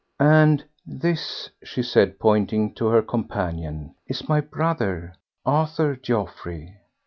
"And this," she said, pointing to her companion, "is my brother, Arthur Geoffroy."